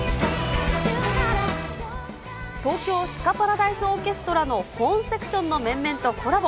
東京スカパラダイスオーケストラのホーンセクションの面々とコラボ。